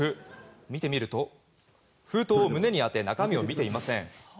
見てみると封筒を胸に当て中身を見ていません。